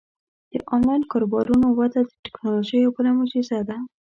د آنلاین کاروبارونو وده د ټیکنالوژۍ یوه بله معجزه ده.